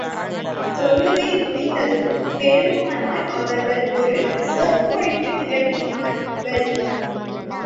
தொழுகை முடிந்ததும் பெருமானார் அவர்கள் ஒரு சொற்பொழிவு நிகழ்த்தினார்கள்.